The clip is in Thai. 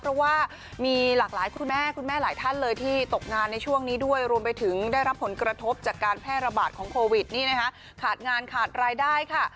เพราะว่ามีหลากหลายคุณแม่คุณแม่หลายท่านเลยที่ตกงานในช่วงนี้ด้วยรวมไปถึงได้รับผลกระทบจากการแพร่ระบาดของโควิดนี่นะคะขาดงานขาดรายได้ค่ะ